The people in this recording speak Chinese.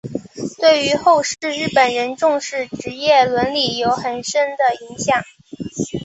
对于后世日本人重视职业伦理有很深的影响。